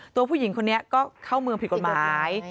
ตัวผู้หญิงคนนี้ก็เข้าเมืองผิดกฎหมาย